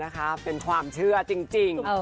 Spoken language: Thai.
นะคะเป็นความเชื่อจริง